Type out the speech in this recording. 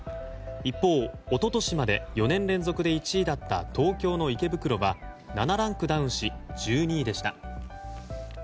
一方、一昨年まで４年連続で１位だった東京の池袋は７ランクダウンし１２位でした。